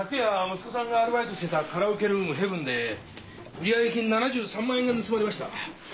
息子さんがアルバイトしてたカラオケルームヘブンで売上金７３万円が盗まれました。